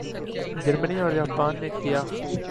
جرمنی اور جاپان نے کیا